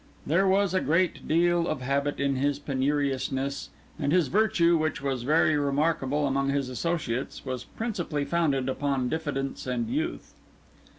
There was a great deal of habit in his penuriousness; and his virtue, which was very remarkable among his associates, was principally founded upon diffidence and youth.